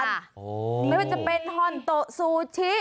มันจะเป็นฮอนโตะซูชิ